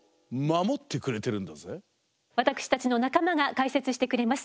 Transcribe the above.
私たちの仲間が解説してくれます。